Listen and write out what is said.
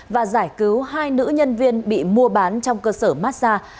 và giải cứu hai nữ nhân viên bị mua bán trong cơ sở massage